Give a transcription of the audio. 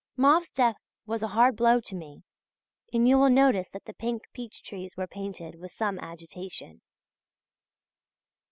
Mauve's death was a hard blow to me, and you will notice that the pink peach trees were painted with some agitation.